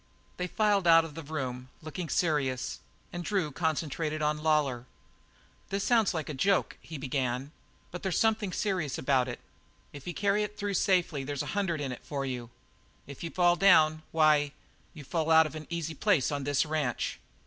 They filed out of the room, looking serious, and Drew concentrated on Lawlor. "This sounds like a joke," he began, "but there's something serious about it. If you carry it through safely, there's a hundred in it for you. If you fall down, why, you fall out of an easy place on this ranch."